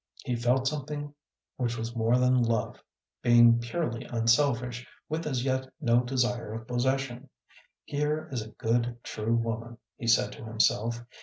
He felt something which was more than love, being purely unselfish, with as yet no desire of possession. "Here is a good, true woman," he said to himself.